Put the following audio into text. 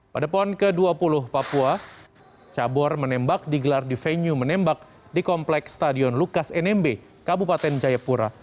pada pon ke dua puluh papua cabur menembak digelar di venue menembak di kompleks stadion lukas nmb kabupaten jayapura